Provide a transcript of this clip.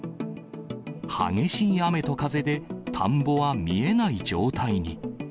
激しい雨と風で田んぼは見えない状態に。